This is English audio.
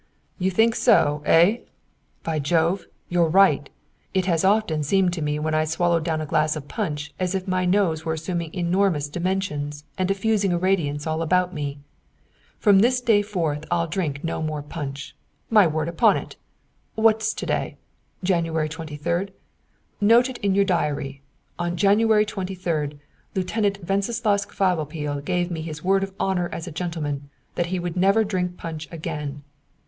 "You think so, eh? By Jove, you're right! It has often seemed to me when I swallow down a glass of punch as if my nose were assuming enormous dimensions and diffusing a radiance all about me. From this day forth I'll drink no more punch. My word upon it! What's to day? January 23rd? Note it in your diary: 'On January 23rd, Lieutenant Wenceslaus Kvatopil gave me his word of honour as a gentleman that he would never drink punch again.'"